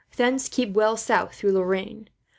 Thence keep well south through Lorraine.